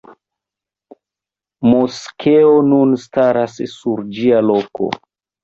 Moskeo nun staras sur ĝia loko.